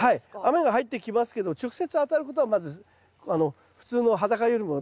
雨が入ってきますけど直接当たることはまず普通の裸よりも少ないですよね。